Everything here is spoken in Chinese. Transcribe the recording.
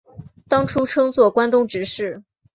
当初称作关东执事。